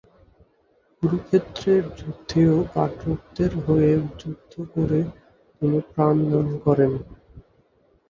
কুরুক্ষেত্রের যুদ্ধেও পাণ্ডবদের হয়ে যুদ্ধ করে তিনি প্রাণ দান করেন।